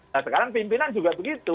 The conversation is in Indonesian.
nah sekarang pimpinan juga begitu